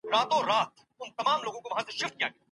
داده ميني ښار وچاته څه وركوي